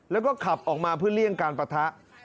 แล้วก็ขับออกมาเพื่อเลี่ยงการปะทะ